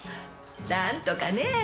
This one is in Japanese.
なんとかねえ。